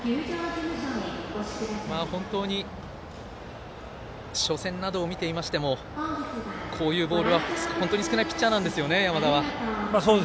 本当に初戦などを見ていましてもこういうボールが本当に少ないピッチャーなんですよね山田は。